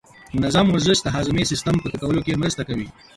منظم ورزش د هاضمې سیستم په ښه کولو کې مرسته کوي.